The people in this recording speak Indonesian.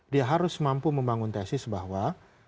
dia harus mampu membangun tesis bahwa